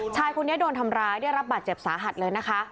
ชายคนนี้โดนทำร้ายได้รับบาดเจ็บสาหัสเลยนะคะ